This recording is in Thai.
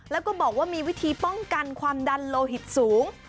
แล้วก็บอกว่ามีวิธีป้องกันความดันโลหิตสูง